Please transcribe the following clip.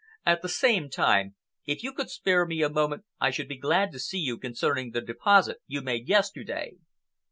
"At the same time, if you could spare me a moment I should be glad to see you concerning the deposit you made yesterday."